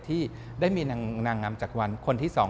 ที่ได้มีนางนางอำจักรวรรณ์คนที่สอง